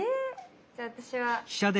じゃあ私は。